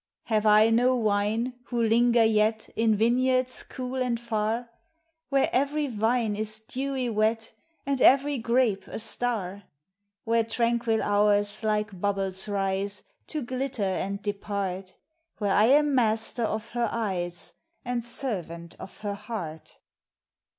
Have I no wine, who linger yet In vineyards cool and far, Where every vine is dewy wet And every grape a star ? Where tranquil hours like bubbles rise To glitter and depart, Where I am master of her eyes And servant of her heart